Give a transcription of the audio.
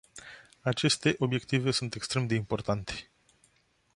Aceste obiective sunt extreme de importante.